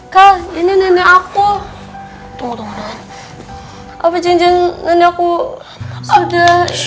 tadi nenek aku tunggu tunggu version doesn'tinku wwe